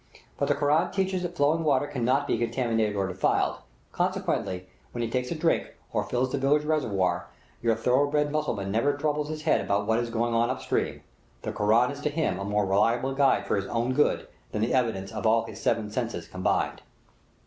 But the Koran teaches that flowing water cannot be contaminated or defiled, consequently, when he takes a drink or fills the village reservoir, your thoroughbred Mussulman never troubles his head about what is going on up stream. The Koran is to him a more reliable guide for his own good than the evidence of all his seven senses combined.